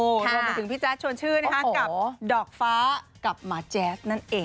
รวมไปถึงพี่แจ๊ดชวนชื่นกับดอกฟ้ากับหมาแจ๊สนั่นเอง